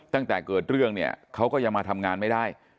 ตั้งแต่เกิดเรื่องเนี่ยเขาก็ยังมาทำงานไม่ได้